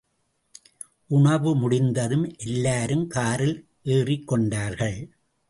உணவு முடிந்ததும் எல்லாரும் காரில் ஏறிக்கொண்டார்கள்.